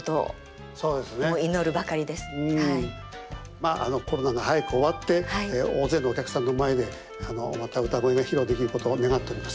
まあコロナが早く終わって大勢のお客さんの前でまた歌声が披露できることを願っております。